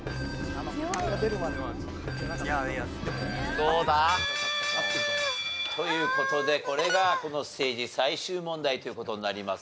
どうだ？という事でこれがこのステージ最終問題という事になります。